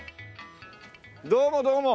どうもどうも。